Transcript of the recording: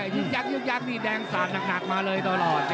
ึกยักยึกยักษ์นี่แดงสาดหนักมาเลยตลอด